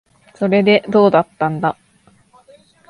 それで、どうだったんだ。